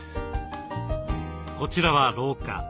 こちらは廊下。